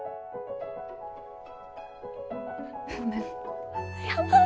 ごめん。